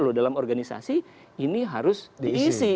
loh dalam organisasi ini harus diisi